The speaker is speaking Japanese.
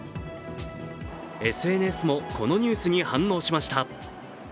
ＳＮＳもこのニュースに反応しました